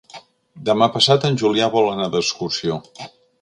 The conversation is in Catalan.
Demà passat en Julià vol anar d'excursió.